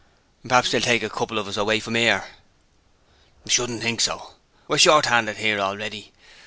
'P'raps's they'll take a couple of us away from ere.' 'I shouldn't think so. We're short 'anded 'ere already.